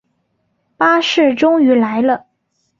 巴士终于来了